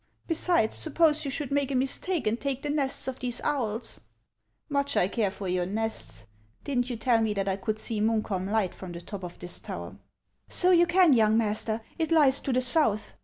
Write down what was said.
Besides, suppose you should make a mistake and take the nests of these owls ?"" Much I care for your nests ! Did n't you tell me that I could see Munkholm light from the top of this tower ?"" So you can, young master ; it lies to the south.